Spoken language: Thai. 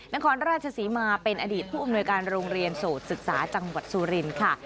นครราชศรีมาเป็นอดีตผู้อำนวยการโรงเรียนโสดศึกษาจังหวัดสุรินทร์ค่ะ